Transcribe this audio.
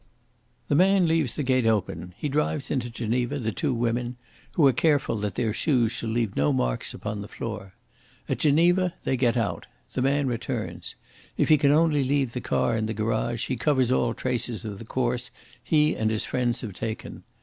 "The man leaves the gate open; he drives into Geneva the two women, who are careful that their shoes shall leave no marks upon the floor. At Geneva they get out. The man returns. If he can only leave the car in the garage he covers all traces of the course he and his friends have taken.